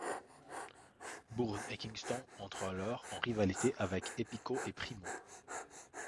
Bourne et Kingston entrent alors en rivalité avec Epico et Primo.